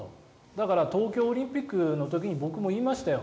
だから東京オリンピックの時に僕も言いましたよ。